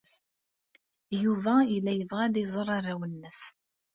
Yuba yella yebɣa ad iẓer arraw-nnes.